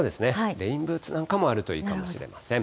レインブーツなんかもあるといいかもしれません。